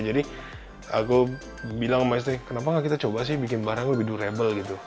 jadi aku bilang sama istri kenapa nggak kita coba sih bikin barang lebih durable gitu